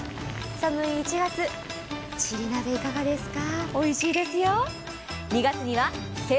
寒い１月、ちり鍋、いかがですか。